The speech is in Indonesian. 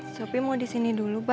sopi mau disini dulu ma